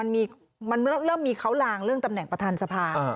มันเริ่มมีเขาลางเรื่องตำแหน่งประธานสภา